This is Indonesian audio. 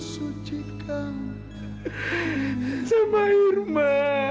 suruh aku irma minta maaf sama kamu